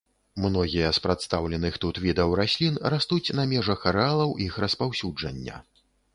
Многія з прадстаўленых тут відаў раслін растуць на межах арэалаў іх распаўсюджання.